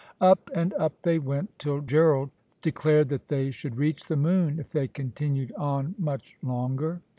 Up and up they went, till Gerald declared that they should reach the moon if they continued on much longer.